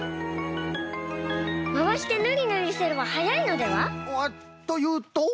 まわしてぬりぬりすればはやいのでは？というと？